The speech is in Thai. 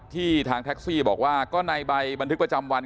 ทางแท็กซี่บอกว่าก็ในใบบันทึกประจำวัน